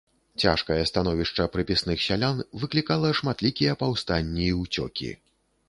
Цяжкае становішча прыпісных сялян выклікала шматлікія паўстанні і ўцёкі.